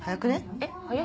えっ早い？